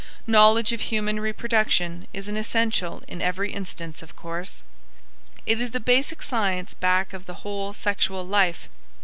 Knowledge of human reproduction is an essential in every instance, of course. It is the basic science back of the whole sexual life.